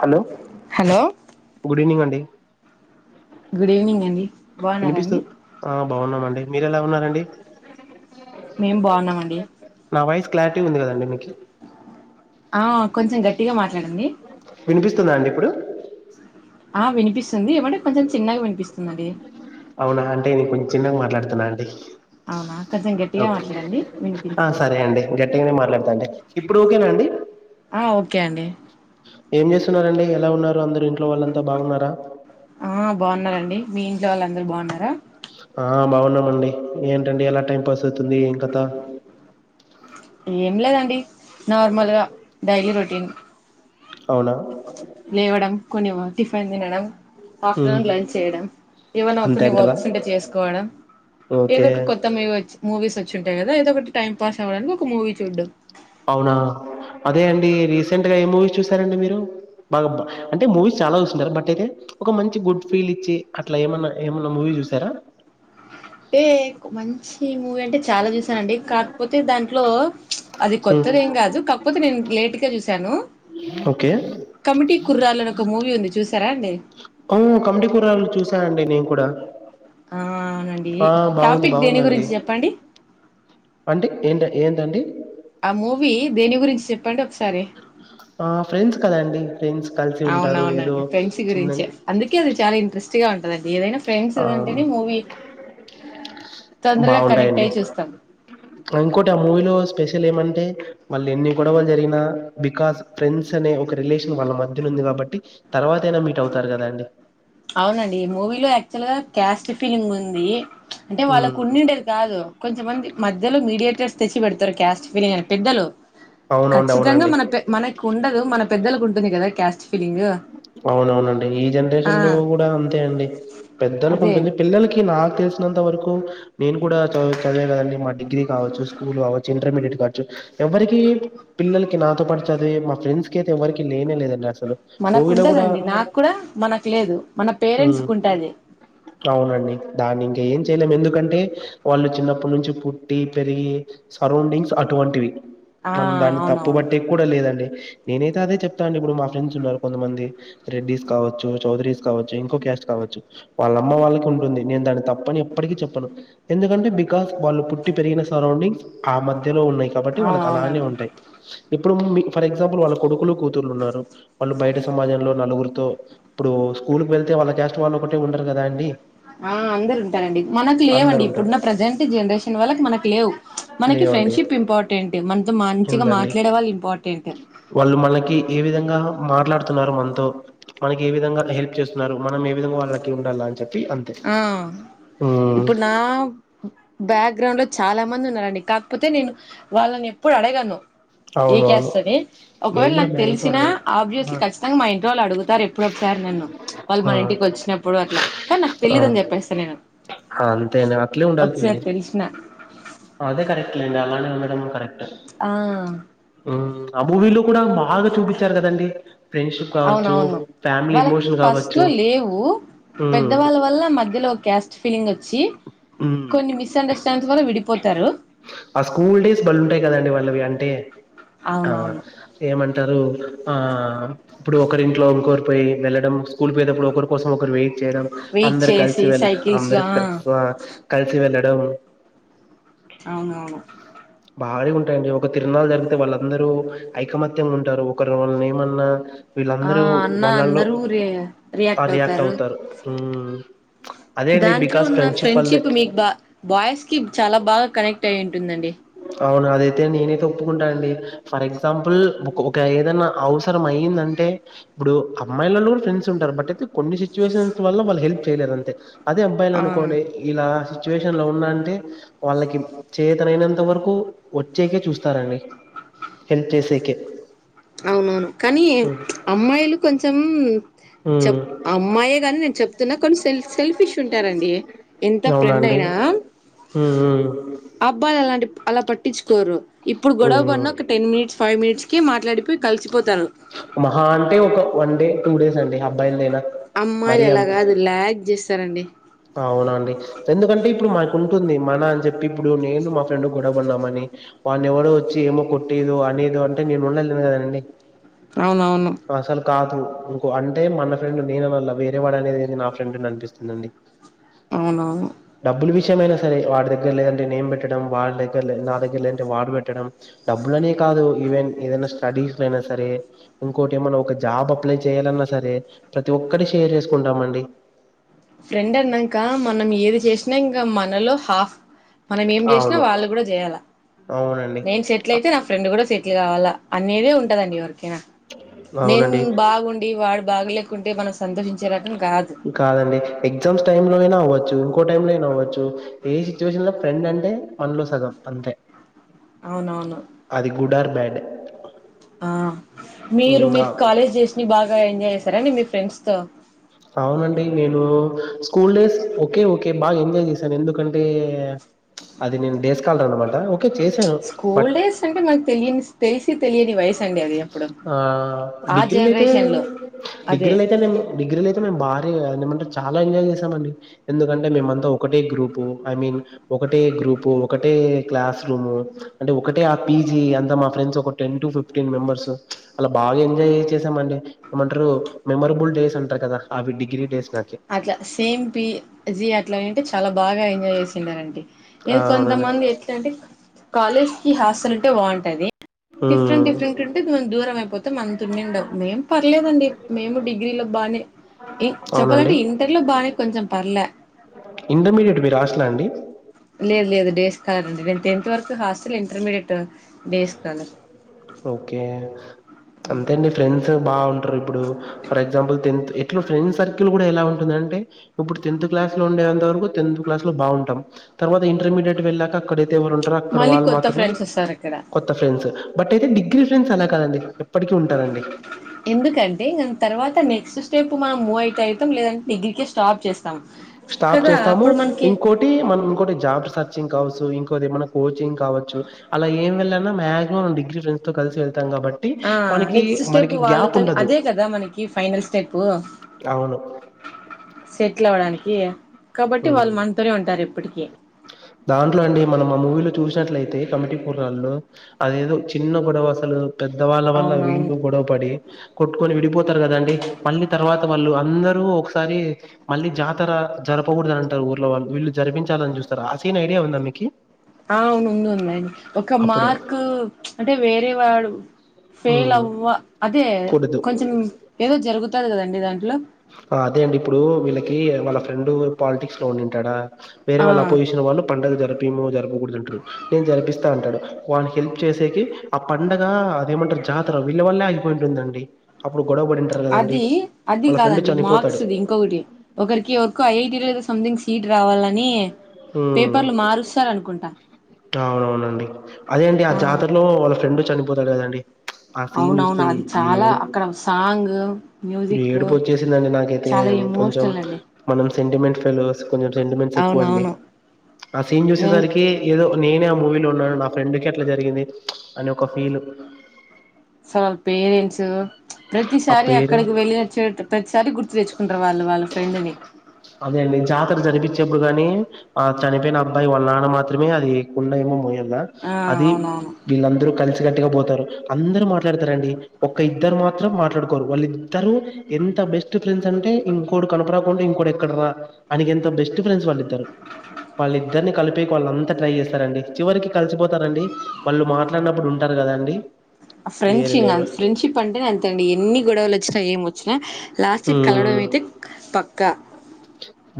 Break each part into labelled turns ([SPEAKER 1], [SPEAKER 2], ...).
[SPEAKER 1] Hello hello
[SPEAKER 2] డి
[SPEAKER 1] good evening అండి బాగున్నారా అండి
[SPEAKER 2] మీరెలా ఉన్నారండి
[SPEAKER 1] మేం బాగున్నామండి
[SPEAKER 2] క్రిటీందిదండి మీకు
[SPEAKER 1] ఆ కొంచెం గట్టిగా మాట్లాడండి
[SPEAKER 2] వినిపిస్తుందా అండి ఇప్పుడు
[SPEAKER 1] ఆ వినిపిస్తుంది ఏమంటే కొంచెం చిన్నగా వినిపిస్తుంది న్నది
[SPEAKER 2] అవునా అంటే నేను కొంచం చిన్నగా మాట్లాడుతున్నా అండి
[SPEAKER 1] అవునా కొంచెం గట్టిగా
[SPEAKER 2] ఓకే
[SPEAKER 1] మాట్లాడండి వినిపించదు
[SPEAKER 2] సరే అండి గట్టిగానే మాట్లాడు అండి ఇప్పుడు ఓకేనాండి
[SPEAKER 1] ఆ ఓకే అండి
[SPEAKER 2] ఏం చేస్తున్నడి ఎలా ఉన్నారు అందరు ఇం
[SPEAKER 1] ఆ బాగున్నండి మీ ఇంట్లో వాళ్ళందరుూ బాగున్నారా
[SPEAKER 2] ఆ బాగున్నామండి ఏంటండి ఎలా టైం పాస్ అవుతుంది ఏం కధ
[SPEAKER 1] ఏం లేదండి నార్మల్గా డైలీ రొటీన్
[SPEAKER 2] అవునా
[SPEAKER 1] లేవడం కొన్ని టిఫైన్ తినడం ఆఫ్టర్నూన్
[SPEAKER 2] ఉహు
[SPEAKER 1] లంచ్ చేయడం ఏవైనా
[SPEAKER 2] అంతే
[SPEAKER 1] ఒకర్ని
[SPEAKER 2] అంటారా
[SPEAKER 1] వర్క్స్ ఉంటే చేసుకోవడం ఏదో
[SPEAKER 2] ఓకే
[SPEAKER 1] ఒక కొత్త మూవచ్ మూవీస్ వ చ్చుంటాయి కద ఏదో ఒకటి టైమ్ పాస్ అవ్వడానికి ఒక మూవీ చూడ్డు
[SPEAKER 2] అవునా అదే అండి రీసెంట్ గా ఏ మూవీస్ చూసారండి మీరు బాగా అంటే మూవీస్ చాలా చూసింటారు బట్ అయితే ఒక మంచి గుడ్ ఫీల్ ఇచ్చి అట్లా ఏమన్నా ఏమన్నా మూవీ చూసారా
[SPEAKER 1] ఏ మంచ్ ఈ మూవంట్ టే చాలా చూసానండి కాకపోతే దాంట్లో అది
[SPEAKER 2] హ్మ్.
[SPEAKER 1] కొత్తది ఏం కాదు కాకపోతే నేను లేట్గా చూశాను
[SPEAKER 2] ఓకే
[SPEAKER 1] కమిటీ కుర్రాలు అని ఒక మూవీ ఉంది చూసారా అండి
[SPEAKER 2] హ్మ్. కమిటీ కూరలు చూసానండి నేను కూడా
[SPEAKER 1] ఆ అవునండి
[SPEAKER 2] ఆ బాగుంది
[SPEAKER 1] టాపిక్ దేని
[SPEAKER 2] బాగుందండి
[SPEAKER 1] గురించి చెప్పండి
[SPEAKER 2] అంటే ఏంట ఏంటండి
[SPEAKER 1] ఆ మూవీ దేని గురించి చెప్పండి ఒక్
[SPEAKER 2] ఆ ఫ్రెండ్స్ కదాండి ఫ్రెండ్స్ కలిసి ఉంటారు ఏదో
[SPEAKER 1] అవునవునండి
[SPEAKER 2] చిన్న
[SPEAKER 1] చిగా ఉంటదండి ఏదైనా ఫ్రెండ్స్
[SPEAKER 2] ఆ
[SPEAKER 1] అంటేనే మూవీ తొందరగా కనెక్ట్
[SPEAKER 2] బావున్నాయండి
[SPEAKER 1] అయి చూస్తాం
[SPEAKER 2] ఇంకోటి ఆ మూవీలో స్పెషల్ ఏమం [unintelligible] మళ్ళీ ఎన్ని గొడవలు జరిగినా బికాస్ ఫ్రెండ్స్ అనే ఒక రిలేషన్ వాళ్ళ మధ్యన ఉంది కాబట్టి తర్వాత అయినా మీట్ అవుతారు కదా అండి
[SPEAKER 1] అవునండి మూవీలో యాక్చువల్ గా క్యాస్ట్ ఫీలింగ్ ఉంది అంటే
[SPEAKER 2] ఉమ్
[SPEAKER 1] వాళ్ళకు ఉండిండేది కాదు కొంచెమంది మధ్యలో మీడియేటర్స్ తెచ్చి పెడతారు క్యాస్ట్ ఫీలింగ్ అని పెద్దలు
[SPEAKER 2] అవునండి
[SPEAKER 1] ఖచ్చితంగా
[SPEAKER 2] అవునండి
[SPEAKER 1] మన మనకు ఉండదు మన పెద్దలకు ఉంటుంది కదా క్యాస్ట్ ఫీలింగ్
[SPEAKER 2] అవునవునండి ఈ
[SPEAKER 1] ఆ
[SPEAKER 2] జనరేషన్ అంతే అండి పెద్ద
[SPEAKER 1] అదే
[SPEAKER 2] ఉంటుంది పిల్లలకి నాకు తెలిసినంత వరకు నేను కూడా చ చదివే కదండి మా డిగ్రీ కావచ్చు స్కూల్ కావచ్చు ఇంటర్మీడియట్ కావచ్చు ఎవరికి పిల్లలకి నాతో పాటు చదివ మా ఫ్రెండ్స్ కి అయితే ఎవరికి లేనే లేదండి అసలు మూవీలో కూడా
[SPEAKER 1] మనకుండదండి నాకు కూడా మనకు లేదు మన
[SPEAKER 2] ఉమ్
[SPEAKER 1] పేరెంట్స్కు ఉంటుంది
[SPEAKER 2] అవునండి దాన్ని ఇంక ఏం చేయలేము ఎందుకంటే వాళ్ళు చిన్నప్పటి నుంచి పుట్టి పెరిగి సరౌండింగ్స్ అటువంటివి
[SPEAKER 1] ఆ
[SPEAKER 2] మనం దాన్ని
[SPEAKER 1] అవునవును
[SPEAKER 2] తప్పుబట్టటికు కూడా లేదండి నేనైతే అదే చెప్తా అడి ఇప్పుడు మా ఫ్రెండ్స్ ఉన్నారు కొంతమంది రెడ్డీస్ కావచ్చు చౌదరీస్ కావచ్చు ఇంకో క్యాష్ కావచ్చు వాళ్ళమ్మ వాళ్ళకి ఉంటుంది నేను దాని తప్పని ఎప్పటికి చెప్పను ఎందుకంటే బికాస్ వాళ్ళు పుట్టి పెరిగిన సరౌండింగ్స్ ఆ మధ్య మధ్యలో ఉన్నాయి కాబట్టి
[SPEAKER 1] అవును
[SPEAKER 2] వాళ్ళకి అలానే
[SPEAKER 1] అవునండి
[SPEAKER 2] ఉంటాయి ఇప్పుడు ఫర్ ఎగ్జాంపుల్ వాళ్ళ కొడుకులు కూతురులు ఉన్నారు వాళ్ళు బయట సమాజంలో నలుగురితో ఇప్పుడు కుళ్ళి వెళ్తే వాళ్ళ చేష్ట వాళ్ళ ఒకే ఉంటారు కద అండి
[SPEAKER 1] ఆ అందరు ఉంటారండి మనకు లేవండి
[SPEAKER 2] అందరు ఉంటారు
[SPEAKER 1] ఇప్పుడున్న ప్రజెంట్ జనరేషన్ వాళ్ళకి మనకు లేవు మనకి ఫ్రెండ్షిప్ ఇంపార్టెంట్ మన
[SPEAKER 2] ఎందండి వాళ్ళు మనకి ఏ విధంగా మాట్లాడుత మన మనకి ఏ విధంగా హెల్ప్ చేస్తున్నారు మనం ఏ విధంగా వాళ్ళకి ఉండాలి అని చెప్పారు
[SPEAKER 1] ఆ ఇప్పుడ్ నా బ్యాక్గ్రౌండ్ లో చాలా మంది ఉన్నారండి కాకపోతే నేను వాళ్ళని ఎప్పుడు అడగను ఏ
[SPEAKER 2] అవును అవును
[SPEAKER 1] క్యాస్ట్ అని.
[SPEAKER 2] నేను
[SPEAKER 1] ఒకవేళ
[SPEAKER 2] కూడా
[SPEAKER 1] నాకు
[SPEAKER 2] మ్యాక్సిమం
[SPEAKER 1] తెలిసినా
[SPEAKER 2] అడగను ఆ
[SPEAKER 1] ఆబ్వియస్లీ ఖచ్చితంగా మా ఇంటి వాళ్ళు అడుగుతారు. ఎప్పుడో ఒకసారి నన్ను వాళ్ళు
[SPEAKER 2] ఆ
[SPEAKER 1] మా ఇంటికి వచ్చినప్పుడు అట్లా కానీ నక్
[SPEAKER 2] ఆ
[SPEAKER 1] తెలీదుని చెప్పేస్తా నేను
[SPEAKER 2] ఆ అంతేనా అట్లే
[SPEAKER 1] ఒకసారి
[SPEAKER 2] ఉండాల్సింది
[SPEAKER 1] తెలిసిన
[SPEAKER 2] అదే కరెక్ట్ లెండి అలానే ఉండడం కరెక్ట్
[SPEAKER 1] ఆ
[SPEAKER 2] ఉమ్ ఆ మూవీలో కూడా బాగా చూపిచారు కదండి ఫ్రెండ్షిప్ కావచ్చు
[SPEAKER 1] అవునవును
[SPEAKER 2] ఫ్యామిలీ
[SPEAKER 1] వాళ్ళకి
[SPEAKER 2] ఎమోషన్ కావచ్చు
[SPEAKER 1] ఫస్ట్లో లేవు
[SPEAKER 2] ఉమ్
[SPEAKER 1] పెద్దవాళ్ళ వల్ల మధ్యలో ఒక్ క్యాస్ట్ ఫీలింగ్ వచ్చి
[SPEAKER 2] ఉమ్
[SPEAKER 1] కొన్ని మిస్అండర్స్టాండ్స్ వల్ల విడిపోతారు
[SPEAKER 2] ఆ స్కూల్ డేస్ బలుంటే కదండి వాళ్ళవి అంటే ఆ
[SPEAKER 1] అవునవును
[SPEAKER 2] ఏమన్ టారు ఆ ఇప్పుడు ఒకరింట్లో ఇంకోర్ పోయి వెళ్ళడం కుల్పోయేదపుడు ఒకరి కోసం ఒకరు వెయిట్ చేయడం
[SPEAKER 1] వెయిట్
[SPEAKER 2] అందరు కలిసి
[SPEAKER 1] చేసి
[SPEAKER 2] వెళ్
[SPEAKER 1] సైకిల్స్ లో
[SPEAKER 2] అందరు త
[SPEAKER 1] ఆ
[SPEAKER 2] స్వా కలిసి వెళ్లడం
[SPEAKER 1] అవును అవును
[SPEAKER 2] భారీ గుంటయండి ఒక తిరుణాలు జరిగితే వాళ్ళందరూ ఐకమత్యంగా ఉంటారు ఒకరు వాళ్నీ ఏమన్నా
[SPEAKER 1] ఆ
[SPEAKER 2] వీళ్ళందరూ
[SPEAKER 1] అన్న
[SPEAKER 2] వాళ్ళల్లో
[SPEAKER 1] అందరూ రి
[SPEAKER 2] ఆ రియాక్ట్ అవుతారు అదే అండి
[SPEAKER 1] దాంట్లో
[SPEAKER 2] బికాస్
[SPEAKER 1] ఉన్న ఫ్రెండ్షిప్
[SPEAKER 2] వల్లే
[SPEAKER 1] మిక్ బా బాయ్స్ కి చాలా బాగా కనెక్ట్ అయూన్ టుందండి
[SPEAKER 2] అవును అదైతే నేనే తప్పుకుంటా అండి ఫర్ ఎగ్జాంపుల్ ఇంకా ఏదన్నా అవసర అయ్యిందంటే ఇప్పుడు అమ్మాయిల వాళ్ కూడా ఫ్రెండ్స్ ఉంటారు బట్ అయితే కొన్ని సిచ్యువేషన్స్ వల్ల వాళ్ళు హెల్ప్ చేయలేరు అంతే అదే అబ్బాయిలు
[SPEAKER 1] ఆ
[SPEAKER 2] అనుకోండి ఇలా సిట్యుయేషన్ లో ఉన్నాంటే వాళ్ళకి చేతనైనంత ఇంతవరకు వచ్చేకే చూస్తారంండి హెల్ప్ చేసేకే
[SPEAKER 1] అవునవును కానీ అమ్మాయిలు కొంచెం
[SPEAKER 2] ఉమ్
[SPEAKER 1] చెప్ ఆ అమ్మాయే గాని నేను చెప్ కానీ సెల్ఫ్ సెల్ఫిష్ ఉంటారంండి ఎంత
[SPEAKER 2] అవునా
[SPEAKER 1] ఫ్రెండ్
[SPEAKER 2] అండి
[SPEAKER 1] అయినా
[SPEAKER 2] ఉమ్ ఉమ్
[SPEAKER 1] అబ్బా అలాంటి అలా పట్టించుకోరు ఇప్పుడు
[SPEAKER 2] ఉమ్
[SPEAKER 1] గొడవబడిన్న ఒక టెన్ మినిట్స్ ఫైవ్ మిట్స్ కి మాట్లాడి
[SPEAKER 2] మహా అంటే ఒక వన్ డే టూ డేస్ అండి బయల్దనా
[SPEAKER 1] అమ్మాయిలు ఎలా కాదు లాగ్ చేస్తారండి
[SPEAKER 2] అవునండి ఎందుకంటే ఇప్పుడు మనకు ఉంటుంది మన అని చెప్పి ఇప్పుడు నేను మా ఫ్రెండ్ గొడవపడినామని వాడిని ఎవరో వచ్చి ఏమో కొట్టేదో అనేదో అంటే నేను ఉండలేను కదండి
[SPEAKER 1] అవునవును
[SPEAKER 2] అసలు కా తు ఇంకో అంటే మన ఫ్రెండ్ నేన అనల్లా వేరే వాడు అనేది ఏంది నా ఫ్రెండ్ అని అనిపిస్తుందండి
[SPEAKER 1] అవునవును
[SPEAKER 2] కొంచెమైనా సర వాడి దగ్గర లేదంటే నేం పెట్టడం వాడి దగ్గర నా దగ్గర లేదంటే వాడు పెట్టడం డబ్బులనే కాదు ఈవెన్ ఏదైనా స్టడీస్ అయినా సరే ఇంకోటి ఏమన్నా ఒక జాబ్ అప్లై చేయాలన్నా సరే ప్రతి ఒక్కటి షేర్ చేసుకుంటామండి
[SPEAKER 1] ఫ్రెండ్ అన్నంక మనం ఏది చేసినా ఇంకా మనలో హాఫ్ మనం ఏం చేసినా
[SPEAKER 2] అవును
[SPEAKER 1] వాళ్ళు కూడా చేయ్యాల
[SPEAKER 2] అవునండి
[SPEAKER 1] నేను సెటిల్ అయితే నా ఫ్రెండ్ కూడా సెటిల్ కావాలా అనేదే ఉంటదండి ఎవరికి కె నా నేను
[SPEAKER 2] అవునండి
[SPEAKER 1] బాగుండి వాడు బాగలేకుంటే మన సంతోషించే రకం కాదు
[SPEAKER 2] కాదండి ఎగ్జామ్స్ టైమ్ లో అయినా అవ్వచ్చు ఇంకో టైమ్ లో అయినా అవ్వచ్చు ఏ సిచ్యువేషన్ లో ఫ్రెండ్ అంటే మనలో సగం అంతే
[SPEAKER 1] అవునవును
[SPEAKER 2] బాడ్
[SPEAKER 1] ఆ మీరు మీరు కాలేజ్ డేస్ ని బాగా ఎంజాయ్ చేస్తర మీ ఫ్రెండ్స్ తో
[SPEAKER 2] అవునండి నేను స్కూల్ డేస్ ఓకే ఓకే బాగా ఎంజాయ్ చేశాను ఎందుకంటే అది నేను డేస్ కాలర్ అన్నమాట చేశాను బట్
[SPEAKER 1] స్కూల్ డేస్ అంటే మనకు తెలియని తెలిసి తెలియని వయసు అండి అది అప్పుడు
[SPEAKER 2] అ
[SPEAKER 1] ఆ
[SPEAKER 2] డిగ్రీలైతే
[SPEAKER 1] జనరేషన్ లో అదే
[SPEAKER 2] డిగ్రీలైతే నేమో డిగ్రీలు.. బాగా అది ఏమంటారు చాలా ఎంజాయ్ చేసామండి ఎందుకంటే మేమంతా ఒకటే గ్రూపు ఐ మీన్ ఒకటే గ్రూపు ఒకటే క్లాస్ రూమ్ అంటే ఒకటే ఆ పీజీ అంతా మా ఫ్రెండ్స్ ఒక టెన్ టు ఫిఫ్టీన్ మెంబర్స్ ఉప్చ్ అలా బాగా ఎంజాయ్ చేసామండి ఏమంటరు మెమరబుల్ డేస్ అంటారు కద. అవి డిగ్రి డేస్
[SPEAKER 1] అట్లా సేమ్ పీ జీ అట్లా ఏంటే చాలా. బాగా ఎంజాయ్ చేసినరండీ.
[SPEAKER 2] ఆ
[SPEAKER 1] ఇది
[SPEAKER 2] అవునండి
[SPEAKER 1] కొంతమంది ఎట్లంటే. కాలేజ్ కి హాస్టల్ ఉంటే బాగుంటది.. డిఫరెంట్
[SPEAKER 2] మ్మ్
[SPEAKER 1] డిఫరెంట్ ఉంటే కొం దూరం అయిపోతం అంతుండానే ఉండం మేం పర్లేదండి మేము డిగ్రీలో బాగానే ఏం చ.
[SPEAKER 2] అండి ఇంటర్మీడియట్ మీరు రాసిల్ల అండి.
[SPEAKER 1] లేదు లేదు డేస్ స్కాలర్ అండి నేను టెన్త్ వరకు hostel intermediate. Day scholar
[SPEAKER 2] okay. అంతే అండి ఫ్రెండ్సు. బాగుంటరు ఇప్పుడు, ఫర్ ఎగ్జాంపుల్ టెన్త్ ఎట్లు ఫ్రెండ్ సర్కిల్ లో కూడా ఎలా ఉంటుంది అంటే ఇప్పుడు టెన్త్ క్లాస్ లో ఉండేంత వరకు టెన్త్ క్లాస్ లో బాగుంటాం తర్వాత ఇంటర్మీడియట్ వెళ్ళాక అక్కడ ఎవరు ఉంటరు అక్కడ
[SPEAKER 1] మళ్ళీ
[SPEAKER 2] వాళ్లు
[SPEAKER 1] కొత్త
[SPEAKER 2] మాత్రమే..
[SPEAKER 1] ఫ్రెండ్స్ వస్తారు అక్కడ
[SPEAKER 2] బట్ ఐతే డిగ్రీ.. ఫ్రెండ్స్ అలా కాదండి ఎప్పటికి ఉంటారండి..
[SPEAKER 1] క్స్ట్ స్టెప్ మనం మూవ్ అయితే అయితం ఐతం లేదంటే డిగ్రీ కె స్టాప్ చేస్తం.
[SPEAKER 2] స్టాప్ చేస్తాము ఇంకోటి మనం ఇంకోటి జాబ్ సెర్చింగ్ కావచ్చు అది మన కోచింగ్ కావచ్చు అలా ఏం వెళ్ళాళ్ల మాక్సిమమ్ డిగ్రీ ఫ్రెండ్స్ తో కలిసి వె.
[SPEAKER 1] ఆ నెక్స్ట్ స్టెప్
[SPEAKER 2] గ్యాప్
[SPEAKER 1] వాళ్ళతోని
[SPEAKER 2] ఉండదు
[SPEAKER 1] అదే కదా మనకి ఫైనల్ స్టేపు.
[SPEAKER 2] అవును
[SPEAKER 1] సె ట్లు అవడానికి కాబట్టి వాళ్లు
[SPEAKER 2] హ్మ్.
[SPEAKER 1] మనతోనే ఉంటారు ఎప్పటికీ.
[SPEAKER 2] దాంట్లో అండి మనం మ మూవీలో చూసక్. అట్ల ఐతే కమిటీ పురాల్లో అదేదో చిన్న గొడవసలు. పెద్దవాళ్ళ వల్ల
[SPEAKER 1] అవునవును
[SPEAKER 2] వీళ్లు గొడవ పడి కొట్టుకొని విడిపోతారు కదండి మల్లీ తర్వాత. వాళ్ళు అందరూ ఒకసారి మళ్ళీ జాతర జరపకూడదు అని అంటారు ఊర్లో వాళ్ళు వీళ్ళు జరిపించాలని జూస్ రు ఆ సీన్ ఐడియా ఉందా మీకి.
[SPEAKER 1] అవును, ఉంది ఉంది ఒక
[SPEAKER 2] అప్పుడు
[SPEAKER 1] మార్కు ప్చ్ అంటే వేరే వాడు. [unintelligible] ఫెయిల్
[SPEAKER 2] మ్మ్
[SPEAKER 1] అవ్వ అదే
[SPEAKER 2] కూడదు
[SPEAKER 1] కొంచెం ఏదో జరుగుతాది గదండి. ఇదాని
[SPEAKER 2] అదే అండి ఇప్పుడు వీళ్ళకి వాళ్ళ ఫ్రెండు పాలిటిక్స్ లొ ఉండింటాడా వేరే
[SPEAKER 1] ఆ
[SPEAKER 2] వాళ్ళ అపోజిషన్ వాళ్ళు పండగ జరిపి నువ్ జరపకూడదు అంటారు నేను జరిపిస్తా అంటాడు వాని హెల్ప్ చేసేకి ఆ పండగ అదేమంటారు జాతర వీళ్ళ వల్లే ఆగిపోయి ఉంటుందండి అప్పుడు గొడవ పడింటారు కదండి
[SPEAKER 1] అది అది
[SPEAKER 2] వాళ్ళ ఫ్రెండ్
[SPEAKER 1] కాదండి
[SPEAKER 2] చనిపోతాడు
[SPEAKER 1] మార్క్స్ది ఇంకొకటి ఒకరికి ఎవరకో ఐ ఐటీ లేదో సంథింగ్ సీట్ రావాలని
[SPEAKER 2] ఉమ్
[SPEAKER 1] పేపర్లు మారుస్తారనుకుంటా
[SPEAKER 2] అవునవునండి అదే అండి ఆ జాతర్లో ఫ్రెండ్ చనిపోతడు కదండి ఆ సీన్
[SPEAKER 1] అవునవును
[SPEAKER 2] జూస్తే
[SPEAKER 1] అది చాలా
[SPEAKER 2] ఏడు
[SPEAKER 1] అక్కడ సాంగ్ మ్యూజిక్
[SPEAKER 2] ఏడుపు వచ్చేసిందిండి నాకైతే
[SPEAKER 1] చాలా
[SPEAKER 2] కొంచెం
[SPEAKER 1] ఎమోషనల్ అండి
[SPEAKER 2] మనం సెంటిమెంట్ ఫ్రెండు గోస్ కొంచెం సెంటిమెంట్స్ ఎక్కువ అండి
[SPEAKER 1] అవునవును
[SPEAKER 2] ఆ సీన్
[SPEAKER 1] నేను
[SPEAKER 2] చూసేసరికి ఏదో నేనే ఆ మూవీలో ఉన్నాను నా ఫ్రెండ్కి ఎట్లా జరిగింది ప్చ్ అని ఒక ఫీలు
[SPEAKER 1] స్వల్ వాళ్ళ పేరెంన్సు
[SPEAKER 2] ఆ
[SPEAKER 1] ప్రతిసారి
[SPEAKER 2] పేరు
[SPEAKER 1] అక్కడికి వెళ్ళినచ్చేట్టు ప్రతిసారి గుర్ రిచు
[SPEAKER 2] అదే అండి జాతర జరిపించేప్పుడు గానీ ఆ చనిపోయిన అబ్బాయి వాళ నాన్న మాత్రమే అది కుండ ఏమో మోయలి య
[SPEAKER 1] ఆ
[SPEAKER 2] అది
[SPEAKER 1] అవునవును
[SPEAKER 2] వీళ్ళందరూ కలిసి గట్టిగా పోతారు అందరు మాట్లాడతారండి ఒక్క ఇద్దరు మాత్రం మాట్లాడుకోరు వాళ్ళిద్దరు ఎంత బెస్ట్ ఫ్రెండ్స్ అంటే ఇం క డు కనపడకుండా ఇంకోడెక్కడ రా అనిగెంత బెస్ట్ ఫ్రెండ్స్ వాళ్ళిద్దరు వాళ్ళిద్దరిని కలిపి పేక్ ఆళ్ళంతా ట్రై ఏస్తారండి చివరికి కలిసిపోతారండి వాళ్ళు మాట్లాడినప్పుడు ఉంటారు కదా అండి
[SPEAKER 1] ఫ్రెండ్షింగ్ ఫ్రెండ్షిప్ అంటేనే అంతండి ఎన్ని గొడవలు వచ్చినా ఏం వచ్చినా లాస్ట్ కి కలవడం
[SPEAKER 2] హ్మ్.
[SPEAKER 1] అయితే పక్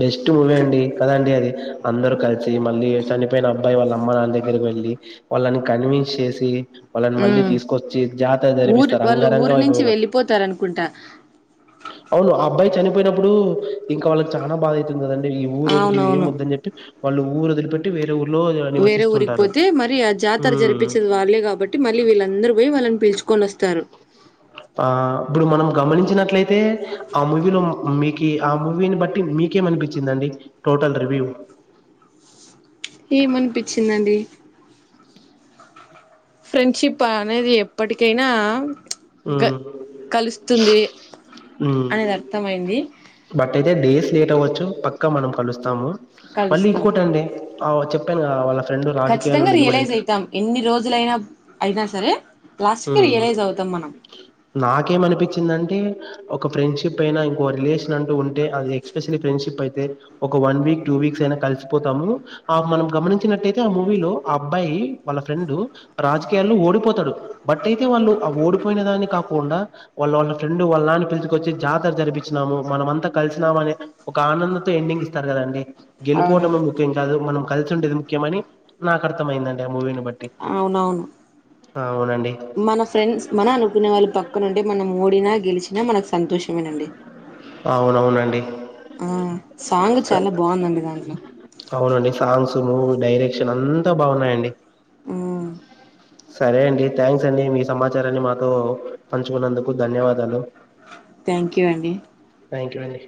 [SPEAKER 2] బెస్ట్ మూవీ అండి కదండి అది అందరు కలిసి మళ్ళీ చనిపోయిన అబ్బాయి వాళ్ళ అమ్మ నాన దగ్గరకి వెళ్ళి వాళ్ళని కన్విన్స్ చేసి వాళ్ళని మళ్ళీ
[SPEAKER 1] ఉమ్
[SPEAKER 2] తీసుకొచ్చి జాతర
[SPEAKER 1] ఊరు
[SPEAKER 2] జరిపిస్తారు
[SPEAKER 1] వాళ్ళు
[SPEAKER 2] రంగరంగ
[SPEAKER 1] ఊరి నుంచి
[SPEAKER 2] వైభవంగా
[SPEAKER 1] వెళ్ళిపోతారు అనుకుంటా
[SPEAKER 2] అవును ఆ అబ్బాయి చనిపోయినప్పుడు ఇంకా వాళ్ళకి చానా బాధ అయితుంది కదండి ఈ ఊరు వద్దు ఏం
[SPEAKER 1] అవునవును
[SPEAKER 2] వద్దని చెప్పి వాళ్ళు ఊరు వదిలిపెట్టి వేరే ఊర్లో
[SPEAKER 1] వేరే ఊరిగి
[SPEAKER 2] నివసిస్తుంటారు
[SPEAKER 1] పోతే మరి ఆ జాతర
[SPEAKER 2] హ్మ్.
[SPEAKER 1] జరిపిచ్చేది వాళ్లే కాబట్టి మళ్ళీ వీళ్ళందరూ బొయ్ వాళ్ళని పిలుచు కొనొస్తారు
[SPEAKER 2] ఆబ్బుడు మనము గమనించినట్లయితే ఆ మూవీలో మీకు ఆ మూవీని బట్టి మీకేమ అనిపించిందండి టోటల్ రివ్యూ
[SPEAKER 1] ఈ మనిపించిందండి ఫ్రెండ్షిప్ అనేది ఎప్పటికైనా గ
[SPEAKER 2] హ్మ్
[SPEAKER 1] కలుస్తుంది
[SPEAKER 2] హ్మ్
[SPEAKER 1] అనేది అర్థమైంది
[SPEAKER 2] బట్ అయితే డేస్ లేట్ అవ్వచ్చు పక్కా మనం పలుస్తాము మళ్ళీ
[SPEAKER 1] కలుస్తాం
[SPEAKER 2] ఇక్కొటండి అవ చెప్పాను కదా వాళ్ళ ఫ్రెండ్ రాజకీయాల్లో
[SPEAKER 1] ఖచ్చితంగా రియలైజ్
[SPEAKER 2] నిలబడింటాడు
[SPEAKER 1] అయితాం ఎన్ని రోజులైనా అయినా సరే లాస్ట్కి రియలైజ్ అవుతాం మనం
[SPEAKER 2] నాకేమ అనిపిచ్చిందంటే ఒక ఫ్రెండ్షిప్ అయినా ఇంకో రిలేషన్ అంటూ ఉంటే అది ఎక్స్పెషలీ ఫ్రెండ్షిప్ అయితే ఒక వన్ వీక్ టూ వీక్స్ అయినా కలిసిపోతాము ఆ మనం గమనించినట్టయితే ఆ మూవీలో ఆ అబ్బాయి వాళ్ళ ఫ్రెండు రాజకీయాల్లో ఓడిపోతాడు. బట్ అయితే వాళ్ళు ఆ ఓడిపోయిన దాన్ని కాకుండా వాళ్ళ వాళ్ళ ఫ్రెండ్ వాళ్ళ నాన్న పిలుచుకొచ్చి జాతర జరిపిచ్చినాము మనమంతా కలిసినాము అని ఒక ఆనందంతో ఎండింగ్ ఇస్తారు కదండి.
[SPEAKER 1] అవునా
[SPEAKER 2] గెలుపోటమే ముఖ్యం కాదు మనం కలిసి ఉండేది ముఖ్యమని నాకు అర్థమయిందండి ఆ మూవీను బట్టి
[SPEAKER 1] అవునవును
[SPEAKER 2] అవునండి
[SPEAKER 1] మన ఫ్రెండ్స్ మన అనుకునే వాళ్ళు పక్కనుంటే మనం ఓడిన గెల్ పిలిచినా మనకు సంతోష్ మేనండి
[SPEAKER 2] అవునవునండి
[SPEAKER 1] ఆ సాంగ్
[SPEAKER 2] స
[SPEAKER 1] చాలా బాందండి దాంట్లో
[SPEAKER 2] అవునండి సాంగ్స్, మూవీ డైరెక్షన్ అంతా బాగున్నాయండి.
[SPEAKER 1] హ్మ్
[SPEAKER 2] సరే అండి థ్యాంక్స్ అండి మీ సమాచారాన్ని మాతో పంచుకున్నందుకు ధన్యవాదాలు.
[SPEAKER 1] థ్యాంక్ యూ అండి
[SPEAKER 2] థ్యాంక్ యూ నందిని